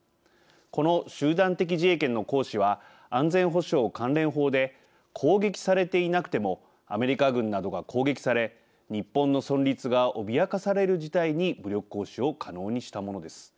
この集団的自衛権の行使は安全保障関連法で攻撃されていなくてもアメリカ軍などが攻撃され日本の存立が脅かされる事態に武力行使を可能にしたものです。